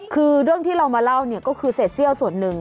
คือเรื่องที่เรามาเล่าเนี่ยก็คือเศษเซี่ยวส่วนหนึ่ง